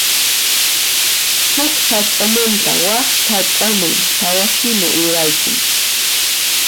Huk sach'amanta wak sach'aman phawaqhina uraykun.